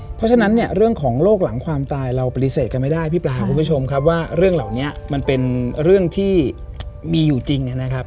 เพราะฉะนั้นเนี่ยเรื่องของโรคหลังความตายเราปฏิเสธกันไม่ได้พี่ปลาคุณผู้ชมครับว่าเรื่องเหล่านี้มันเป็นเรื่องที่มีอยู่จริงนะครับ